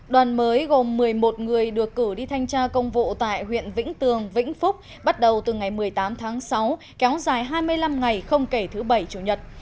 đoàn mới gồm một mươi một người được cử đi thanh tra công vụ tại huyện vĩnh tường vĩnh phúc bắt đầu từ ngày một mươi tám tháng sáu kéo dài hai mươi năm ngày không kể thứ bảy chủ nhật